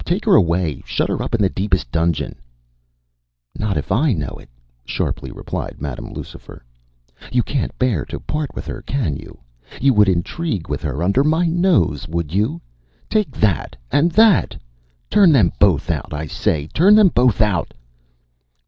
Take her away; shut her up in the deepest dungeon!” “Not if I know it,” sharply replied Madam Lucifer. “You can’t bear to part with her, can’t you? You would intrigue with her under my nose, would you? Take that! and that! Turn them both out, I say! turn them both out!